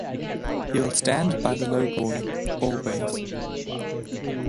He will stand by the low boy, always.